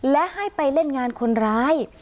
และให้ไปเล่นงานคนร้าย